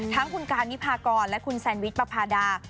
ทั้งคุณการวิพากรและคุณแซนวิชประพาดา